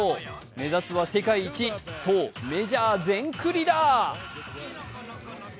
目指すは世界一、そう、メジャー全クリだ！